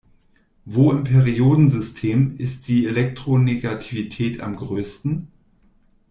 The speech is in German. Wo im Periodensystem ist die Elektronegativität am größten?